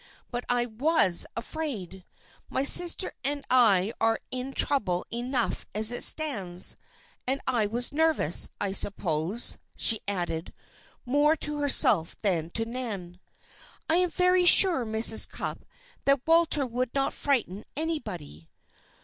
But I was afraid. My sister and I are in trouble enough as it stands, and I was nervous, I suppose," she added, more to herself than to Nan. "I'm very sure, Mrs. Cupp, that Walter would not frighten anybody."